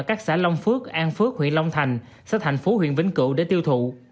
ở các xã long phước an phước huyện long thành xã thành phú huyện vĩnh cựu để tiêu thụ